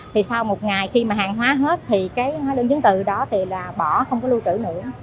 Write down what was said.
thì sau một ngày khi mà hàng hóa hết thì cái hóa đơn chứng từ đó thì là bỏ không có lưu trữ nữa